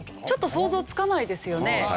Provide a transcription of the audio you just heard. ちょっと想像つかないですよね。